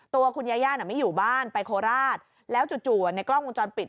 ตัวคุณยาย่าน่ะไม่อยู่บ้านไปโคราชแล้วจู่ในกล้องวงจรปิด